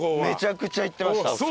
めちゃくちゃ行ってました。